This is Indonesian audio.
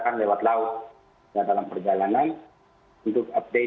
menuju ke lokasi